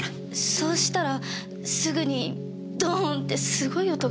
そうしたらすぐにドーンッてすごい音が。